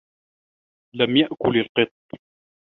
لَمْ يَأْكُلْ الْقِطُّ.